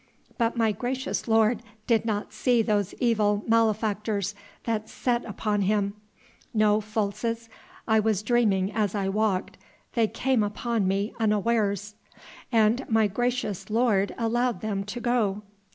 "But my gracious lord did not see those evil malefactors that set upon him." "No, Folces, I was dreaming as I walked. They came upon me unawares." "And my gracious lord allowed them to go.